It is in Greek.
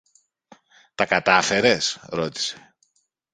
Τα κατάφερες; ρώτησε.